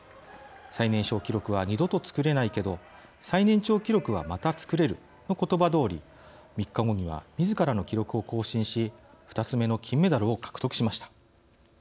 「最年少記録は二度と作れないけど最年長記録はまた作れる」のことばどおり、３日後にはみずからの記録を更新し２つ目の金メダルを獲得しました。